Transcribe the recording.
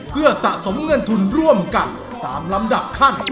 เพื่อสะสมเงินทุนร่วมกันตามลำดับขั้น